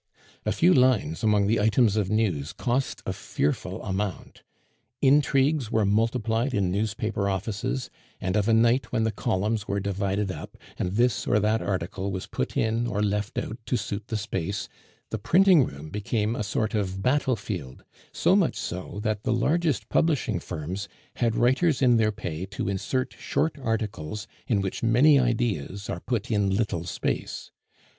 A few lines among the items of news cost a fearful amount. Intrigues were multiplied in newspaper offices; and of a night when the columns were divided up, and this or that article was put in or left out to suit the space, the printing room became a sort of battlefield; so much so, that the largest publishing firms had writers in their pay to insert short articles in which many ideas are put in little space.